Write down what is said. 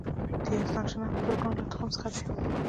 د یزدان شناس بزرګانو له تخم څخه دی.